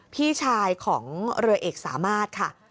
พี่ชายของเรือเอกสามารถค่ะ